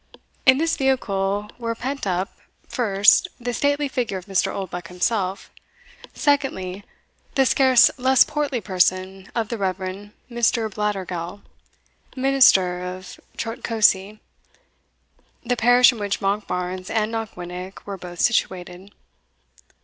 In this vehicle were pent up, first, the stately figure of Mr. Oldbuck himself; secondly, the scarce less portly person of the Reverend Mr. Blattergowl, minister of Trotcosey, the parish in which Monkbarns and Knockwinnock were both situated.